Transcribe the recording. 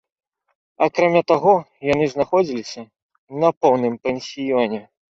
Акрамя таго, яны знаходзіліся на поўным пансіёне.